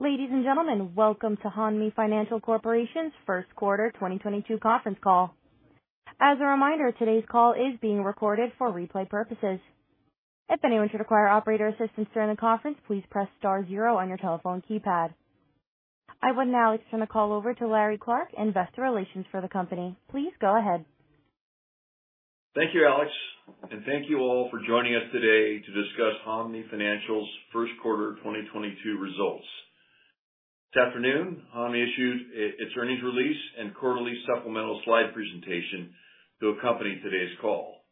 Ladies and gentlemen, Welcome to Hanmi Financial Corporation's first quarter 2022 conference call. As a reminder, today's call is being recorded for replay purposes. If anyone should require operator assistance during the conference, please press star zero on your telephone keypad. I would now like to turn the call over to Larry Clark, investor relations for the company. Please go ahead. Thank you, Alex, and thank you all for joining us today to discuss Hanmi Financial's first quarter 2022 results. This afternoon, Hanmi issued its earnings release and quarterly supplemental slide presentation to accompany today's call.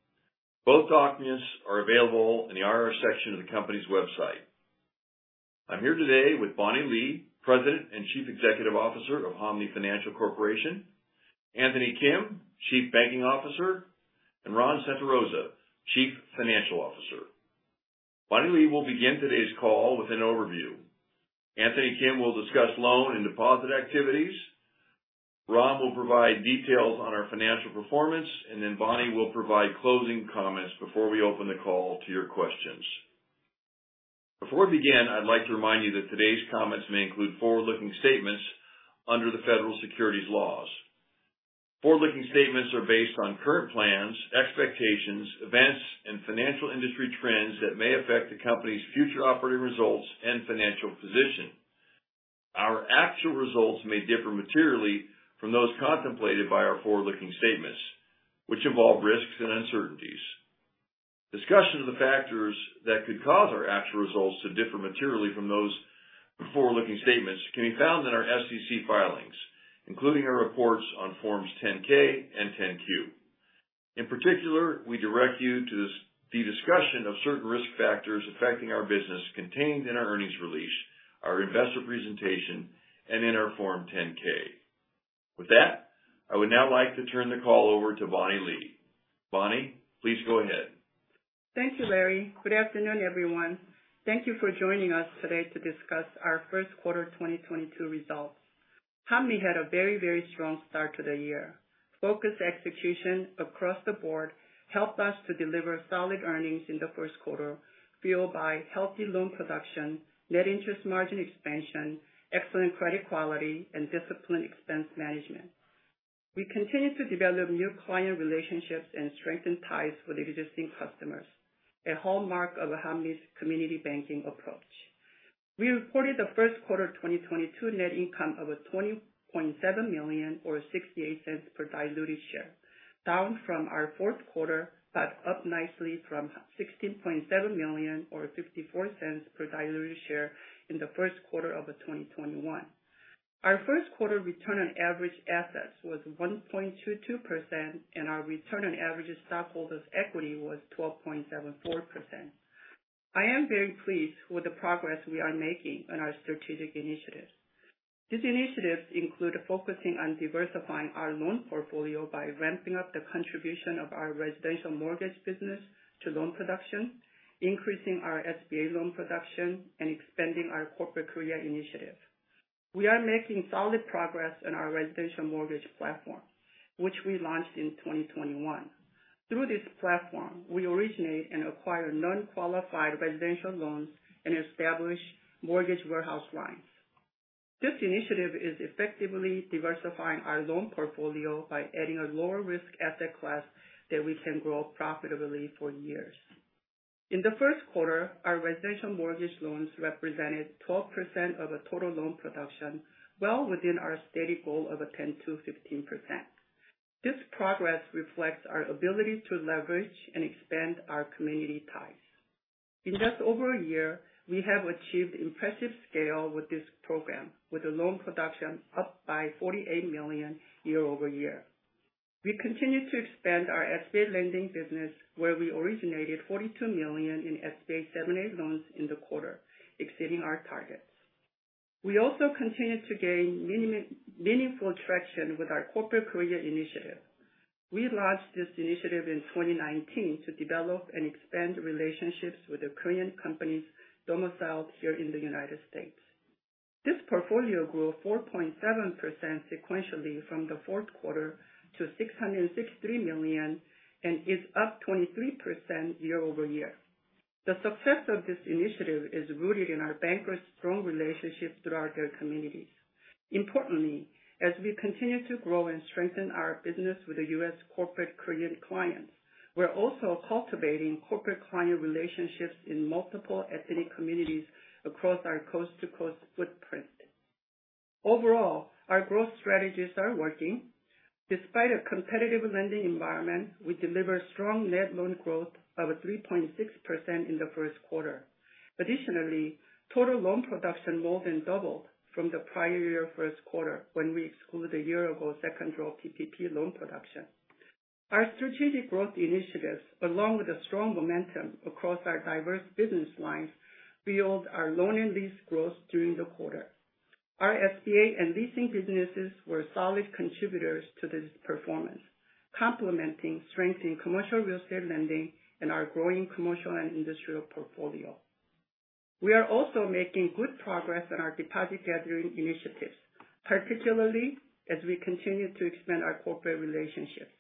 Both documents are available in the IR section of the company's website. I'm here today with Bonnie Lee, President and Chief Executive Officer of Hanmi Financial Corporation, Anthony Kim, Chief Banking Officer, and Ron Santarosa, Chief Financial Officer. Bonnie Lee will begin today's call with an overview. Anthony Kim will discuss loan and deposit activities. Ron will provide details on our financial performance, and then Bonnie will provide closing comments before we open the call to your questions. Before we begin, I'd like to remind you that today's comments may include forward-looking statements under the federal securities laws. Forward-looking statements are based on current plans, expectations, events and financial industry trends that may affect the company's future operating results and financial position. Our actual results may differ materially from those contemplated by our forward-looking statements, which involve risks and uncertainties. Discussion of the factors that could cause our actual results to differ materially from those forward-looking statements can be found in our SEC filings, including our reports on Forms 10-K and 10-Q. In particular, we direct you to the discussion of certain risk factors affecting our business contained in our earnings release, our investor presentation, and in our Form 10-K. With that, I would now like to turn the call over to Bonnie Lee. Bonnie, please go ahead. Thank you, Larry. Good afternoon, everyone. Thank you for joining us today to discuss our first quarter 2022 results. Hanmi had a very, very strong start to the year. Focused execution across the board helped us to deliver solid earnings in the first quarter, fueled by healthy loan production, net interest margin expansion, excellent credit quality, and disciplined expense management. We continue to develop new client relationships and strengthen ties with existing customers, a hallmark of Hanmi's community banking approach. We reported the first quarter 2022 net income of $20.7 million or $0.68 per diluted share, down from our fourth quarter, but up nicely from $16.7 million or $0.54 per diluted share in the first quarter of 2021. Our first quarter return on average assets was 1.22%, and our return on average stockholders' equity was 12.74%. I am very pleased with the progress we are making on our strategic initiatives. These initiatives include focusing on diversifying our loan portfolio by ramping up the contribution of our residential mortgage business to loan production, increasing our SBA loan production, and expanding our Corporate Korea initiative. We are making solid progress on our residential mortgage platform, which we launched in 2021. Through this platform, we originate and acquire non-qualified mortgage loans and establish mortgage warehouse lines. This initiative is effectively diversifying our loan portfolio by adding a lower risk asset class that we can grow profitably for years. In the first quarter, our residential mortgage loans represented 12% of the total loan production, well within our stated goal of a 10%-15%. This progress reflects our ability to leverage and expand our community ties. In just over a year, we have achieved impressive scale with this program, with the loan production up by $48 million year-over-year. We continue to expand our SBA lending business, where we originated $42 million in SBA 7(a) loans in the quarter, exceeding our targets. We also continue to gain meaningful traction with our Corporate Korea initiative. We launched this initiative in 2019 to develop and expand relationships with the Korean companies domiciled here in the United States. This portfolio grew 4.7% sequentially from the fourth quarter to $663 million, and is up 23% year-over-year. The success of this initiative is rooted in our bankers' strong relationships throughout their communities. Importantly, as we continue to grow and strengthen our business with the U.S. corporate Korean clients, we're also cultivating corporate client relationships in multiple ethnic communities across our coast to coast footprint. Overall, our growth strategies are working. Despite a competitive lending environment, we deliver strong net loan growth of 3.6% in the first quarter. Additionally, total loan production more than doubled from the prior year first quarter when we exclude the year ago second draw PPP loan production. Our strategic growth initiatives, along with the strong momentum across our diverse business lines, fueled our loan and lease growth during the quarter. Our SBA and leasing businesses were solid contributors to this performance, complementing strength in commercial real estate lending and our growing commercial and industrial portfolio. We are also making good progress on our deposit gathering initiatives, particularly as we continue to expand our corporate relationships.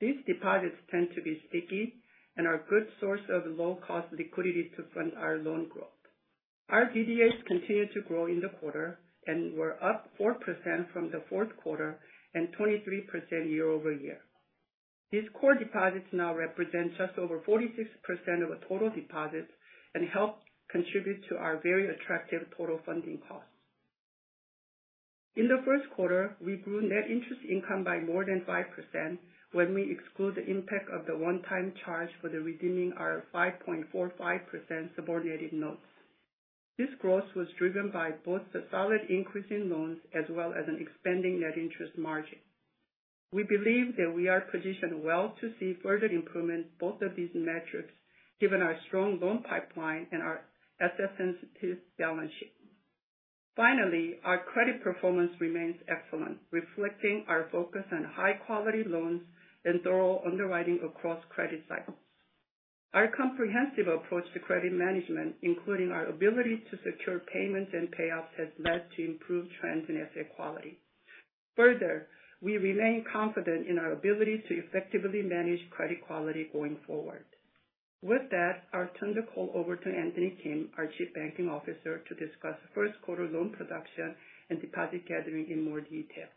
These deposits tend to be sticky and are good source of low cost liquidity to fund our loan growth. Our DDAs continued to grow in the quarter and were up 4% from the fourth quarter and 23% year over year. These core deposits now represent just over 46% of our total deposits and help contribute to our very attractive total funding costs. In the first quarter, we grew net interest income by more than 5% when we exclude the impact of the one-time charge for the redeeming our 5.45% subordinated notes. This growth was driven by both the solid increase in loans as well as an expanding net interest margin. We believe that we are positioned well to see further improvement both of these metrics, given our strong loan pipeline and our asset sensitive balance sheet. Finally, our credit performance remains excellent, reflecting our focus on high quality loans and thorough underwriting across credit cycles. Our comprehensive approach to credit management, including our ability to secure payments and payoffs, has led to improved trends in asset quality. Further, we remain confident in our ability to effectively manage credit quality going forward. With that, I'll turn the call over to Anthony Kim, our Chief Banking Officer, to discuss first quarter loan production and deposit gathering in more detail.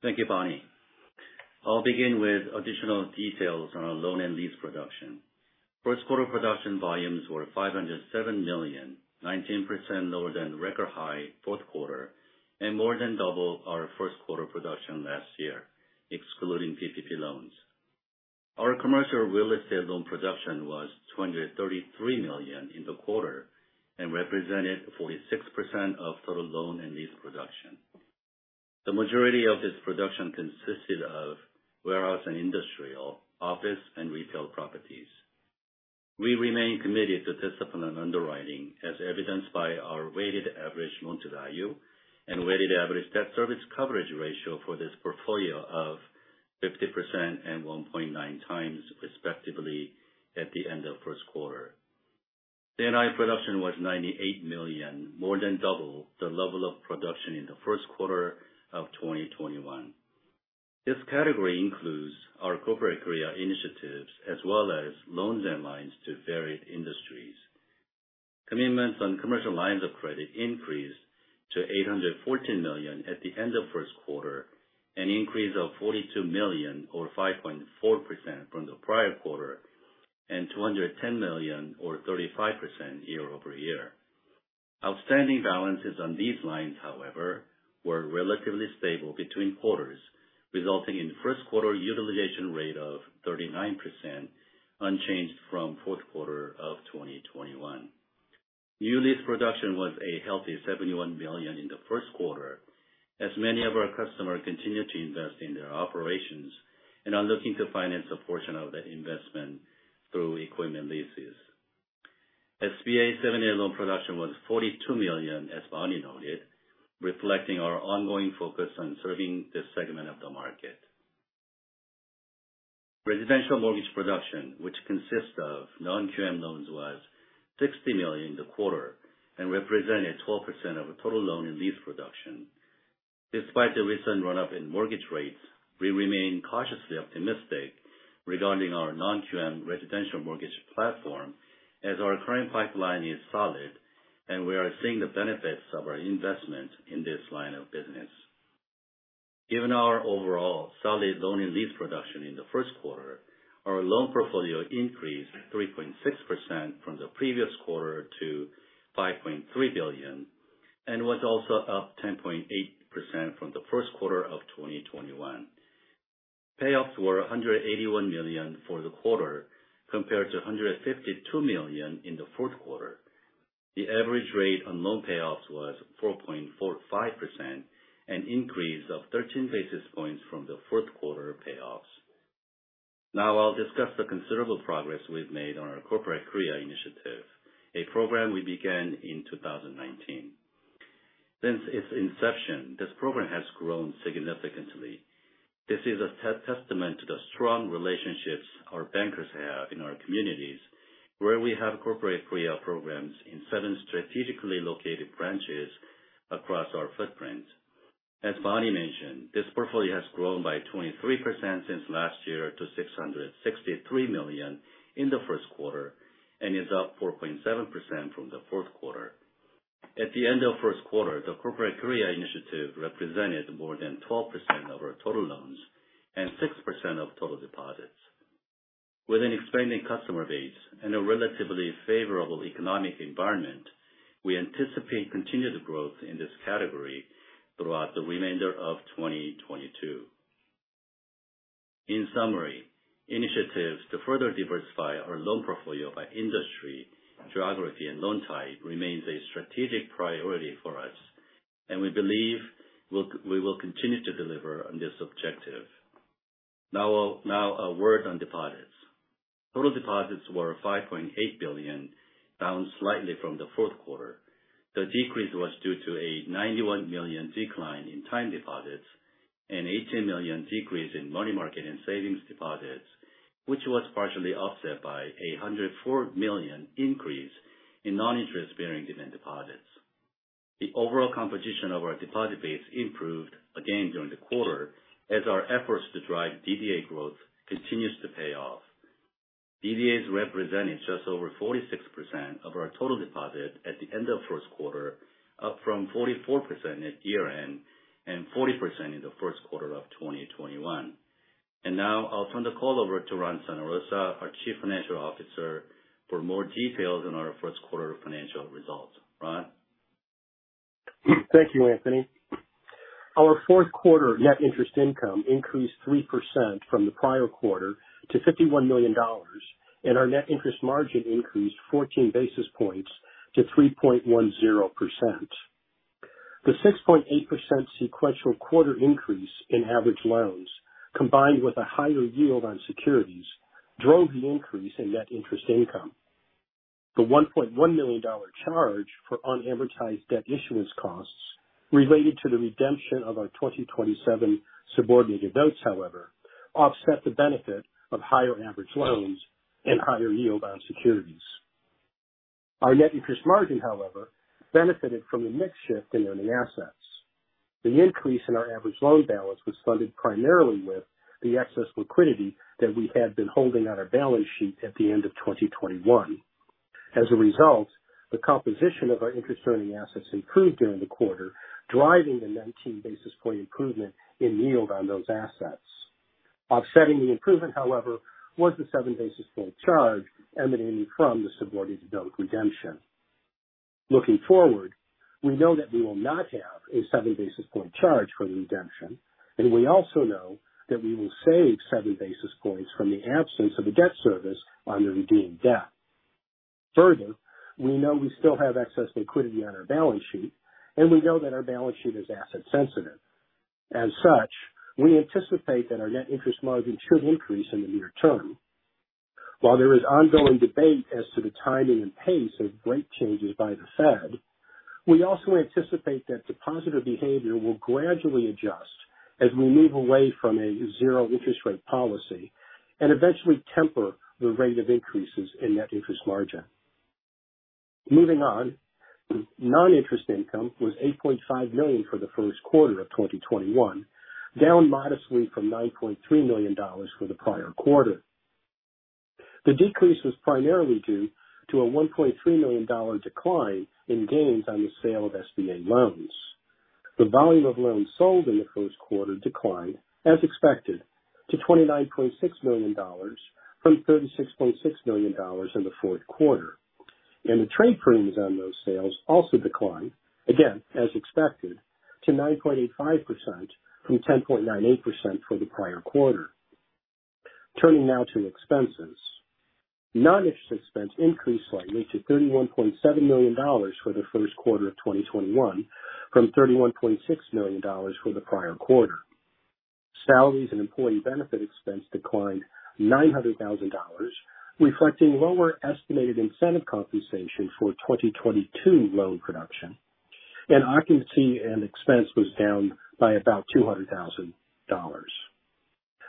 Thank you, Bonnie. I'll begin with additional details on our loan and lease production. First quarter production volumes were $507 million, 19% lower than record high fourth quarter and more than double our first quarter production last year, excluding PPP loans. Our commercial real estate loan production was $233 million in the quarter and represented 46% of total loan and lease production. The majority of this production consisted of warehouse and industrial, office and retail properties. We remain committed to disciplined underwriting, as evidenced by our weighted average loan to value and weighted average debt service coverage ratio for this portfolio of 50% and 1.9 times, respectively, at the end of first quarter. C&I production was $98 million, more than double the level of production in the first quarter of 2021. This category includes our Corporate Korea initiatives as well as loans and lines to varied industries. Commitments on commercial lines of credit increased to $814 million at the end of first quarter, an increase of $42 million or 5.4% from the prior quarter and $210 million or 35% year-over-year. Outstanding balances on these lines, however, were relatively stable between quarters, resulting in first quarter utilization rate of 39%, unchanged from fourth quarter of 2021. New lease production was a healthy $71 million in the first quarter as many of our customers continue to invest in their operations and are looking to finance a portion of that investment through equipment leases. SBA 7(a) loan production was $42 million, as Bonnie noted, reflecting our ongoing focus on serving this segment of the market. Residential mortgage production, which consists of non-QM loans, was $60 million in the quarter and represented 12% of the total loan and lease production. Despite the recent run up in mortgage rates, we remain cautiously optimistic regarding our non-QM residential mortgage platform as our current pipeline is solid and we are seeing the benefits of our investment in this line of business. Given our overall solid loan and lease production in the first quarter, our loan portfolio increased 3.6% from the previous quarter to $5.3 billion, and was also up 10.8% from the first quarter of 2021. Payoffs were $181 million for the quarter compared to $152 million in the fourth quarter. The average rate on loan payoffs was 4.45%, an increase of 13 basis points from the fourth quarter payoffs. Now I'll discuss the considerable progress we've made on our Corporate Korea initiative, a program we began in 2019. Since its inception, this program has grown significantly. This is a testament to the strong relationships our bankers have in our communities where we have Corporate Korea programs in seven strategically located branches across our footprint. As Bonnie mentioned, this portfolio has grown by 23% since last year to $663 million in the first quarter and is up 4.7% from the fourth quarter. At the end of first quarter, the Corporate Korea initiative represented more than 12% of our total loans and 6% of total deposits. With an expanding customer base and a relatively favorable economic environment, we anticipate continued growth in this category throughout the remainder of 2022. In summary, initiatives to further diversify our loan portfolio by industry, geography and loan type remains a strategic priority for us, and we believe we will continue to deliver on this objective. Now a word on deposits. Total deposits were $5.8 billion, down slightly from the fourth quarter. The decrease was due to a $91 million decline in time deposits, an $18 million decrease in money market and savings deposits, which was partially offset by a $104 million increase in non-interest bearing demand deposits. The overall composition of our deposit base improved again during the quarter as our efforts to drive DDA growth continues to pay off. DDAs represented just over 46% of our total deposit at the end of first quarter, up from 44% at year-end and 40% in the first quarter of 2021. Now I'll turn the call over to Ron Santarosa, our Chief Financial Officer, for more details on our first quarter financial results. Ron. Thank you, Anthony. Our fourth quarter net interest income increased 3% from the prior quarter to $51 million, and our net interest margin increased 14 basis points to 3.10%. The 6.8% sequential quarter increase in average loans, combined with a higher yield on securities, drove the increase in net interest income. The $1.1 million charge for unamortized debt issuance costs related to the redemption of our 2027 subordinated notes, however, offset the benefit of higher average loans and higher yield on securities. Our net interest margin, however, benefited from a mix shift in earning assets. The increase in our average loan balance was funded primarily with the excess liquidity that we had been holding on our balance sheet at the end of 2021. As a result, the composition of our interest earning assets improved during the quarter, driving the 19 basis point improvement in yield on those assets. Offsetting the improvement, however, was the 7 basis point charge emanating from the subordinated note redemption. Looking forward, we know that we will not have a 7 basis point charge for the redemption, and we also know that we will save 7 basis points from the absence of the debt service on the redeemed debt. Further, we know we still have excess liquidity on our balance sheet, and we know that our balance sheet is asset sensitive. As such, we anticipate that our net interest margin should increase in the near term. While there is ongoing debate as to the timing and pace of rate changes by the Fed, we also anticipate that depositor behavior will gradually adjust as we move away from a zero interest rate policy and eventually temper the rate of increases in net interest margin. Moving on. Non-interest income was $8.5 million for the first quarter of 2021, down modestly from $9.3 million for the prior quarter. The decrease was primarily due to a $1.3 million decline in gains on the sale of SBA loans. The volume of loans sold in the first quarter declined, as expected, to $29.6 million from $36.6 million in the fourth quarter, and the trade premiums on those sales also declined, again, as expected, to 9.85% from 10.98% for the prior quarter. Turning now to expenses. Non-interest expense increased slightly to $31.7 million for the first quarter of 2021 from $31.6 million for the prior quarter. Salaries and employee benefit expense declined $900,000, reflecting lower estimated incentive compensation for 2022 loan production. Occupancy and expense was down by about $200,000.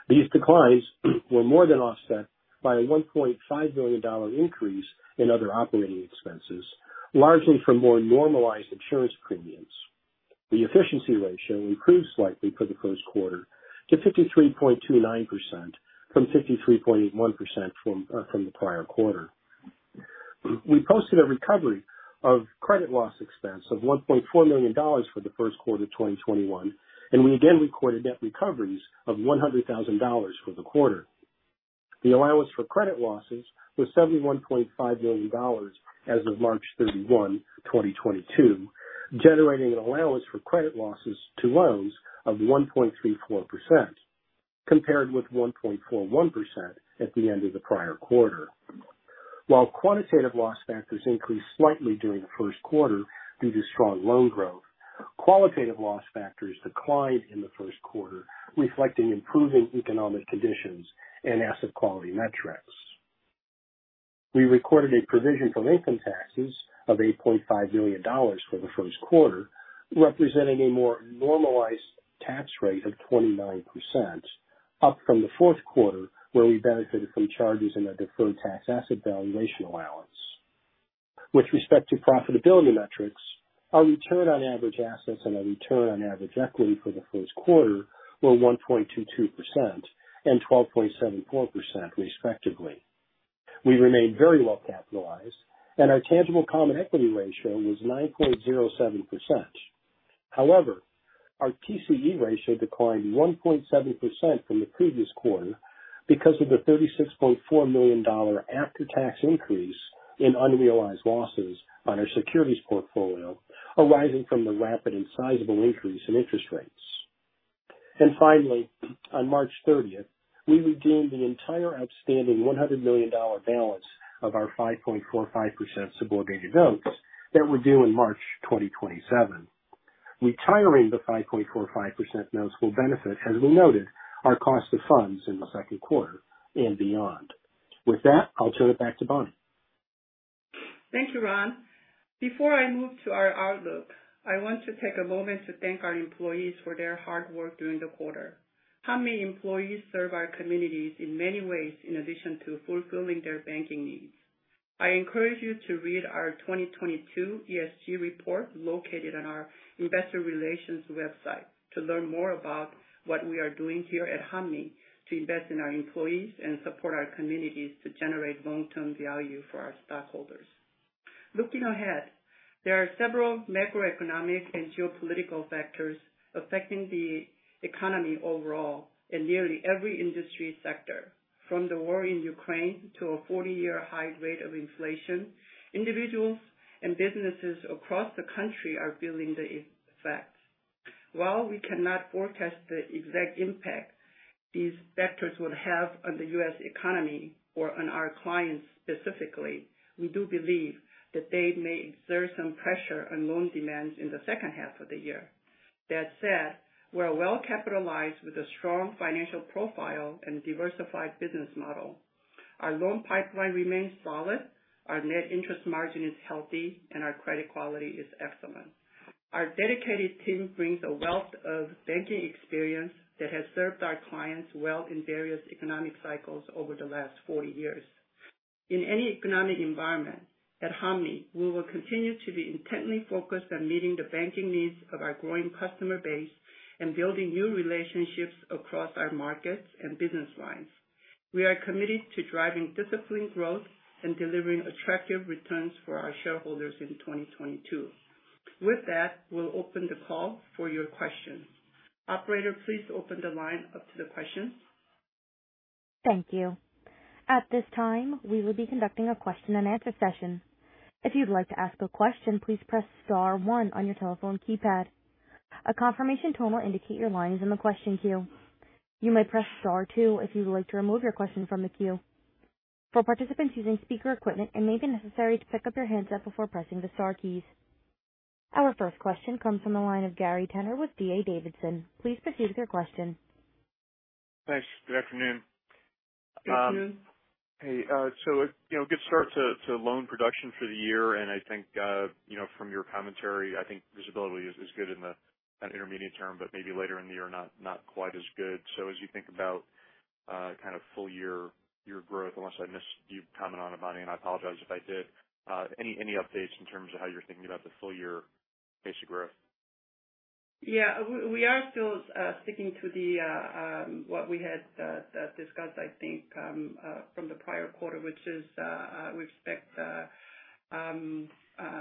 These declines were more than offset by a $1.5 million increase in other operating expenses, largely from more normalized insurance premiums. The efficiency ratio improved slightly for the first quarter to 53.29% from 53.81% in the prior quarter. We posted a recovery of credit loss expense of $1.4 million for the first quarter of 2021, and we again recorded net recoveries of $100,000 for the quarter. The allowance for credit losses was $71.5 million as of March 31, 2022, generating an allowance for credit losses to loans of 1.34%, compared with 1.41% at the end of the prior quarter. While quantitative loss factors increased slightly during the first quarter due to strong loan growth, qualitative loss factors declined in the first quarter, reflecting improving economic conditions and asset quality metrics. We recorded a provision for income taxes of $8.5 million for the first quarter, representing a more normalized tax rate of 29%, up from the fourth quarter, where we benefited from charges in our deferred tax asset valuation allowance. With respect to profitability metrics, our return on average assets and our return on average equity for the first quarter were 1.22% and 12.74%, respectively. We remained very well capitalized, and our tangible common equity ratio was 9.07%. However, our TCE ratio declined 1.7% from the previous quarter because of the $36.4 million after-tax increase in unrealized losses on our securities portfolio, arising from the rapid and sizable increase in interest rates. Finally, on March 30, we redeemed the entire outstanding $100 million balance of our 5.45% subordinated notes that were due in March 2027. Retiring the 5.45% notes will benefit, as we noted, our cost of funds in the second quarter and beyond. With that, I'll turn it back to Bonnie. Thank you, Ron. Before I move to our outlook, I want to take a moment to thank our employees for their hard work during the quarter. Hanmi employees serve our communities in many ways in addition to fulfilling their banking needs. I encourage you to read our 2022 ESG report located on our investor relations website to learn more about what we are doing here at Hanmi to invest in our employees and support our communities to generate long-term value for our stockholders. Looking ahead, there are several macroeconomic and geopolitical factors affecting the economy overall in nearly every industry sector, from the war in Ukraine to a 40-year high rate of inflation. Individuals and businesses across the country are feeling the effects. While we cannot forecast the exact impact these factors would have on the U.S. economy or on our clients specifically, we do believe that they may exert some pressure on loan demands in the second half of the year. That said, we're well capitalized with a strong financial profile and diversified business model. Our loan pipeline remains solid, our net interest margin is healthy, and our credit quality is excellent. Our dedicated team brings a wealth of banking experience that has served our clients well in various economic cycles over the last 40 years. In any economic environment, at Hanmi, we will continue to be intently focused on meeting the banking needs of our growing customer base and building new relationships across our markets and business lines. We are committed to driving disciplined growth and delivering attractive returns for our shareholders in 2022. With that, we'll open the call for your questions. Operator, please open the line up to the questions. Thank you. At this time, we will be conducting a question and answer session. If you'd like to ask a question, please press star one on your telephone keypad. A confirmation tone will indicate your line is in the question queue. You may press star two if you'd like to remove your question from the queue. For participants using speaker equipment, it may be necessary to pick up your handset before pressing the star keys. Our first question comes from the line of Gary Tenner with D.A. Davidson. Please proceed with your question. Thanks. Good afternoon. Good afternoon. Hey, you know, good start to loan production for the year. I think from your commentary, I think visibility is good in the intermediate term, but maybe later in the year, not quite as good. As you think about kind of full-year loan growth, unless I missed your comment on it, Bonnie, and I apologize if I did. Any updates in terms of how you're thinking about the full-year loan growth? Yeah, we are still sticking to what we had discussed, I think, from the prior quarter, which is, we expect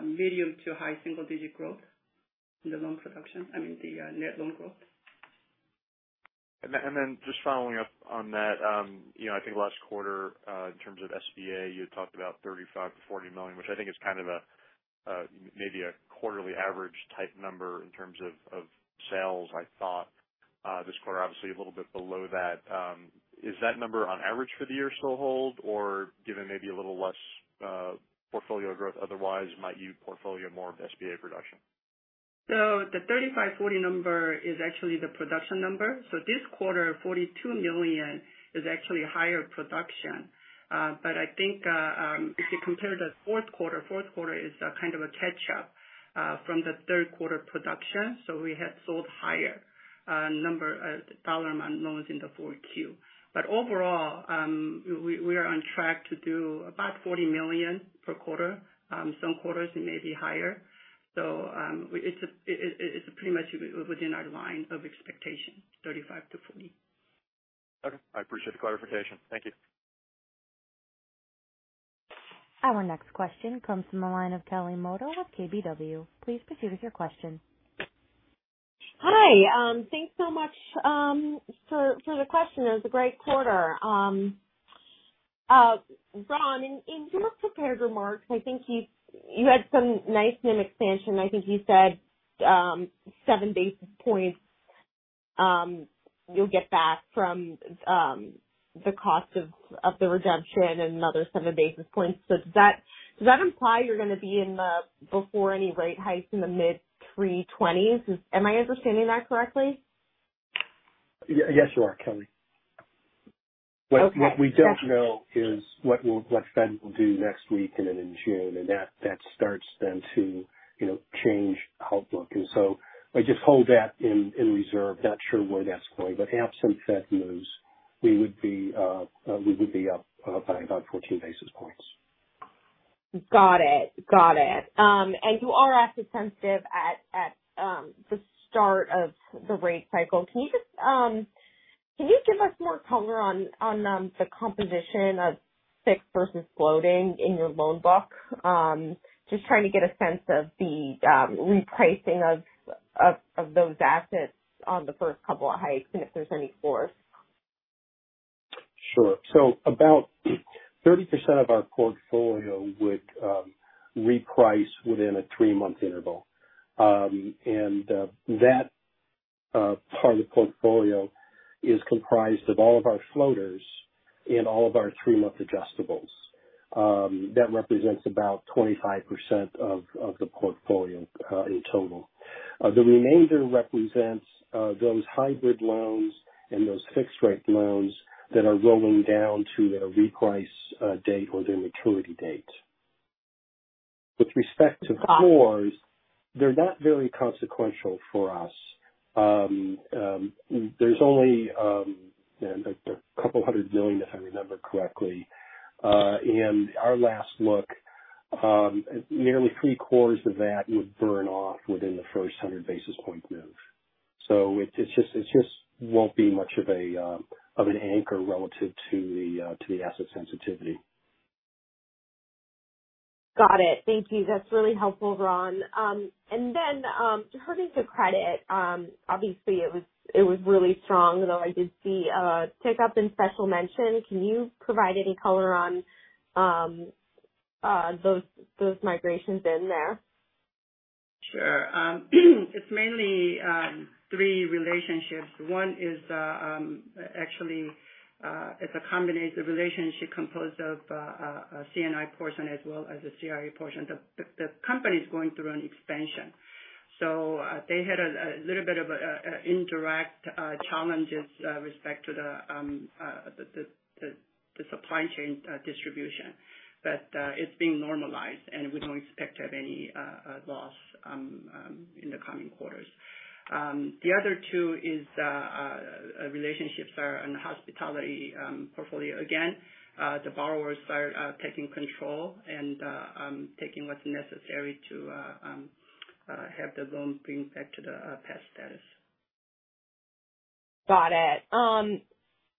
medium- to high-single-digit growth in the loan production, I mean, the net loan growth. Then just following up on that, you know, I think last quarter, in terms of SBA, you had talked about $35 million-$40 million, which I think is kind of a maybe a quarterly average type number in terms of sales, I thought. This quarter, obviously a little bit below that. Is that number on average for the year still hold or given maybe a little less portfolio growth otherwise might yield portfolio more of SBA production? The 35-40 number is actually the production number. This quarter, $42 million is actually higher production. But I think, if you compare the fourth quarter, it is kind of a catch up from the third quarter production. We had sold higher dollar amount loans in the Q4. But overall, we are on track to do about $40 million per quarter. Some quarters it may be higher. It's pretty much within our line of expectation, $35 million-$40 million. Okay. I appreciate the clarification. Thank you. Our next question comes from the line of Kelly Motta with KBW. Please proceed with your question. Hi. Thanks so much for the question. It was a great quarter. Ron, in your prepared remarks, I think you had some nice NIM expansion. I think you said seven basis points you'll get back from the cost of the redemption and another seven basis points. Does that imply you're gonna be in the mid-3.20s before any rate hike? Am I understanding that correctly? Yes, you are, Kelly. Okay. Gotcha. What we don't know is what the Fed will do next week and then in June, and that starts then to, you know, change outlook. I just hold that in reserve. Not sure where that's going. Absent Fed moves, we would be up by about 14 basis points. Got it. You are asset sensitive at the start of the rate cycle. Can you just give us more color on the composition of fixed versus floating in your loan book? Just trying to get a sense of the repricing of those assets on the first couple of hikes and if there's any force. Sure. About 30% of our portfolio would reprice within a three-month interval. That part of the portfolio is comprised of all of our floaters and all of our three-month adjustables. That represents about 25% of the portfolio in total. The remainder represents those hybrid loans and those fixed rate loans that are rolling down to their reprice date or their maturity date. With respect to cores, they're not very consequential for us. There's only, you know, a couple hundred million, if I remember correctly. In our last look, nearly three-quarters of that would burn off within the first 100 basis point move. It just won't be much of an anchor relative to the asset sensitivity. Got it. Thank you. That's really helpful, Ron. Turning to credit, obviously it was really strong, although I did see a tick up in special mention. Can you provide any color on those migrations in there? Sure. It's mainly three relationships. One is a combination, a relationship composed of a C&I portion as well as a CRE portion. The company is going through an expansion. They had a little bit of indirect challenges with respect to the supply chain distribution. It's being normalized, and we don't expect to have any loss in the coming quarters. The other two relationships are in the hospitality portfolio. Again, the borrowers are taking control and taking what's necessary to have the loan bring back to the past status. Got it.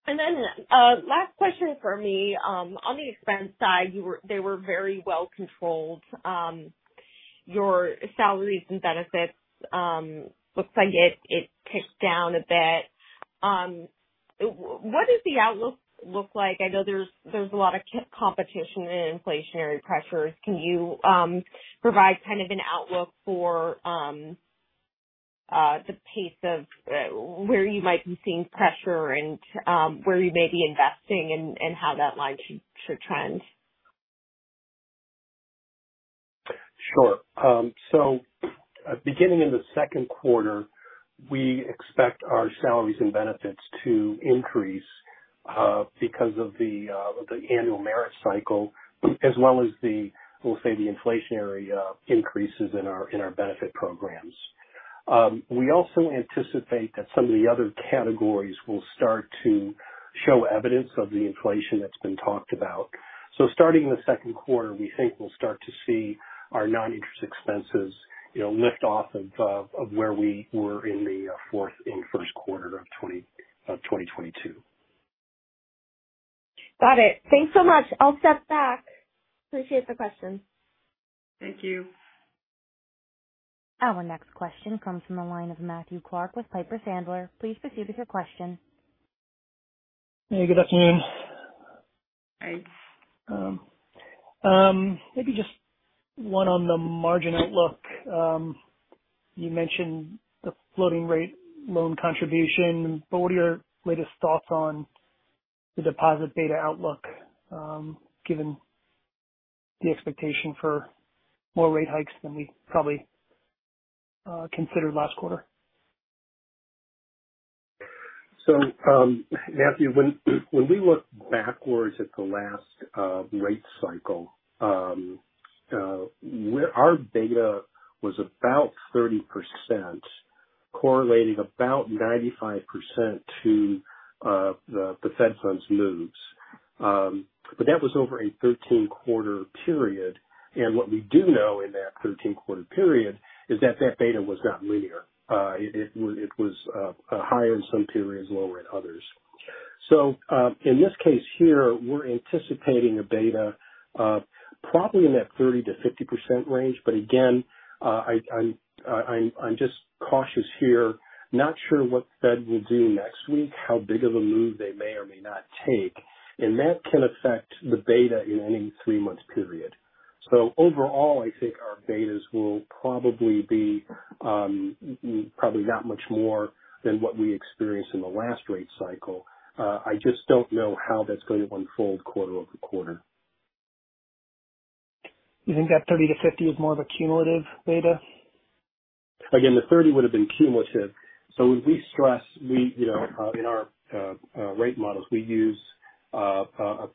Last question for me. On the expense side, they were very well controlled. Your salaries and benefits looks like it ticked down a bit. What does the outlook look like? I know there's a lot of competition and inflationary pressures. Can you provide kind of an outlook for the pace of where you might be seeing pressure and where you may be investing and how that line should trend? Sure. Beginning in the second quarter, we expect our salaries and benefits to increase because of the annual merit cycle, as well as the, we'll say, the inflationary increases in our benefit programs. We also anticipate that some of the other categories will start to show evidence of the inflation that's been talked about. Starting in the second quarter, we think we'll start to see our non-interest expenses, you know, lift off of where we were in the fourth and first quarter of 2022. Got it. Thanks so much. I'll step back. Appreciate the questions. Thank you. Our next question comes from the line of Matthew Clark with Piper Sandler. Please proceed with your question. Hey, good afternoon. Hi. Maybe just one on the margin outlook. You mentioned the floating rate loan contribution, but what are your latest thoughts on the deposit beta outlook, given the expectation for more rate hikes than we probably considered last quarter? Matthew, when we look backwards at the last rate cycle, where our beta was about 30%, correlating about 95% to the Fed funds moves. That was over a 13-quarter period. What we do know in that 13-quarter period is that beta was not linear. It was higher in some periods, lower in others. In this case here, we're anticipating a beta probably in that 30%-50% range. Again, I'm just cautious here. Not sure what Fed will do next week, how big of a move they may or may not take, and that can affect the beta in any three-month period. Overall, I think our betas will probably be probably not much more than what we experienced in the last rate cycle. I just don't know how that's going to unfold quarter-over-quarter. You think that 30-50 is more of a cumulative beta? Again, the 30 would have been cumulative. So as we stress, you know, in our rate models, we use a 50%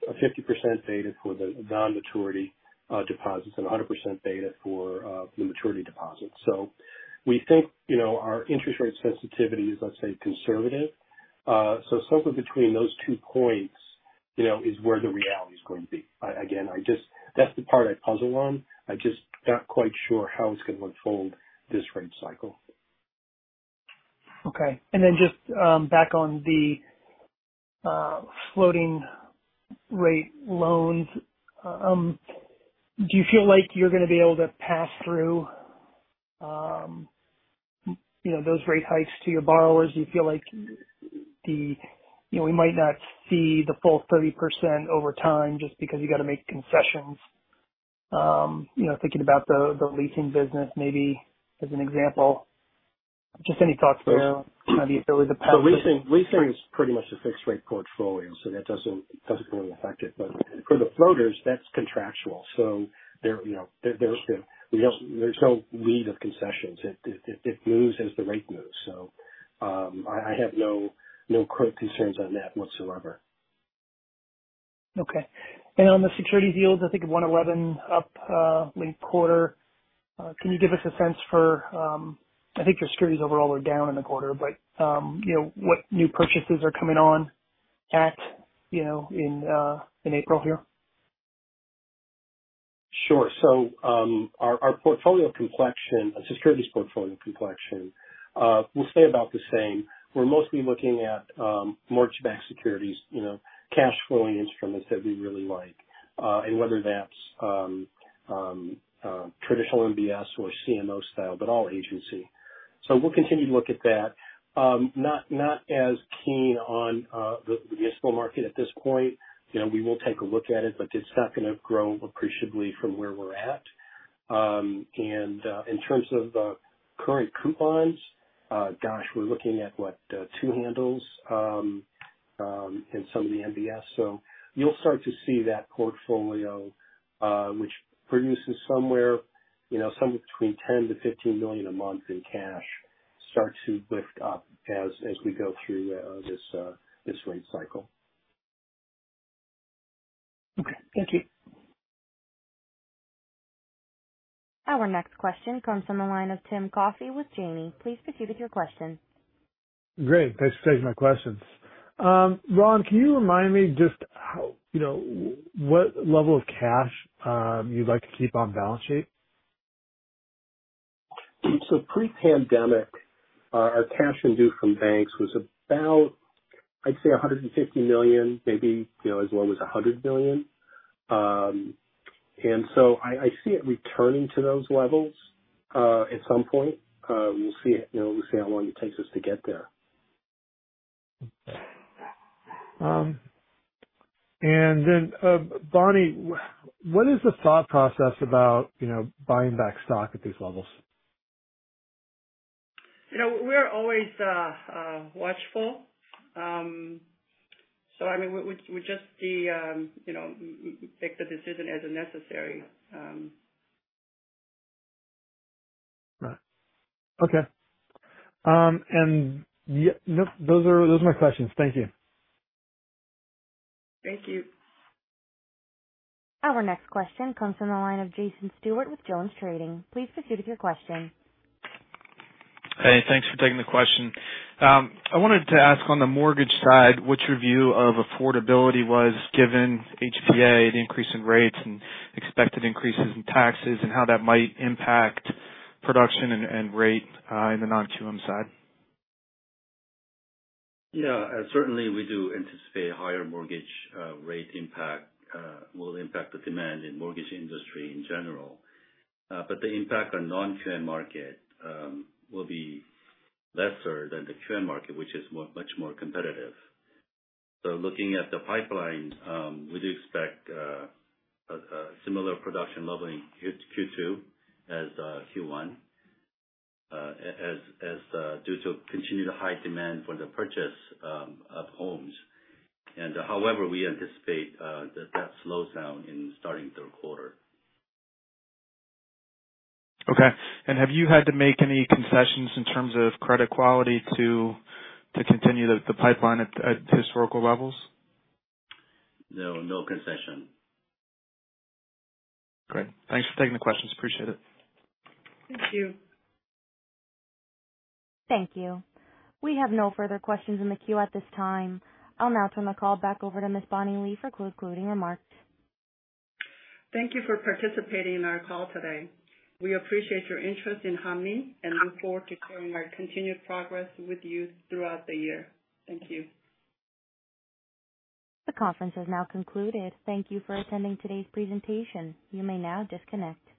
beta for the non-maturity deposits and a 100% beta for the maturity deposits. So we think, you know, our interest rate sensitivity is, let's say, conservative. So somewhere between those two points, you know, is where the reality is going to be. Again, that's the part I puzzle on. I'm just not quite sure how it's gonna unfold this rate cycle. Okay. Just back on the floating rate loans. Do you feel like you're gonna be able to pass through, you know, those rate hikes to your borrowers? Do you feel like, you know, we might not see the full 30% over time just because you got to make concessions? You know, thinking about the leasing business maybe as an example. Just any thoughts there? Yeah. On the ability to pass those. The leasing is pretty much a fixed rate portfolio, so that doesn't really affect it. But for the floaters, that's contractual. So there, you know, there's no need of concessions. It moves as the rate moves. So, I have no concerns on that whatsoever. Okay. On the securities yields, I think 111 up, linked quarter. Can you give us a sense for, I think your securities overall are down in the quarter, but, you know, what new purchases are coming on at, you know, in April here? Sure. Our securities portfolio complexion will stay about the same. We're mostly looking at mortgage-backed securities, you know, cash flowing instruments that we really like, and whether that's traditional MBS or CMO style, but all agency. We'll continue to look at that. Not as keen on the muni market at this point. You know, we will take a look at it, but it's not gonna grow appreciably from where we're at. In terms of current coupons, gosh, we're looking at what, two handles, in some of the MBS. You'll start to see that portfolio, which produces somewhere, you know, somewhere between $10 million-$15 million a month in cash, start to lift up as we go through this rate cycle. Okay, thank you. Our next question comes from the line of Tim Coffey with Janney. Please proceed with your question. Great. Thanks for taking my questions. Ron, can you remind me just how you know, what level of cash you'd like to keep on balance sheet? Pre-pandemic, our cash and due from banks was about, I'd say, $150 million, maybe, you know, as low as $100 million. I see it returning to those levels at some point. We'll see it, you know, we'll see how long it takes us to get there. Bonnie, what is the thought process about, you know, buying back stock at these levels? You know, we're always watchful. I mean, we just see, you know, make the decision as necessary. Right. Okay. Yeah, no, those are my questions. Thank you. Thank you. Our next question comes from the line of Jason Stewart with Jones Trading. Please proceed with your question. Hey, thanks for taking the question. I wanted to ask on the mortgage side, with regard to affordability given HPA, the increase in rates and expected increases in taxes, and how that might impact production and rate in the non-QM side. Yeah. Certainly we do anticipate higher mortgage rate impact will impact the demand in mortgage industry in general. But the impact on non-QM market will be lesser than the QM market which is much more competitive. Looking at the pipeline, we do expect a similar production level in Q2 as Q1 as due to continued high demand for the purchase of homes. However, we anticipate that slows down in starting third quarter. Okay. Have you had to make any concessions in terms of credit quality to continue the pipeline at historical levels? No, no concession. Great. Thanks for taking the questions. Appreciate it. Thank you. Thank you. We have no further questions in the queue at this time. I'll now turn the call back over to Ms. Bonita Lee for concluding remarks. Thank you for participating in our call today. We appreciate your interest in Hanmi and look forward to sharing our continued progress with you throughout the year. Thank you. The conference has now concluded. Thank you for attending today's presentation. You may now disconnect.